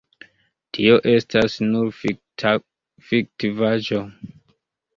Tio estas nur fiktivaĵo.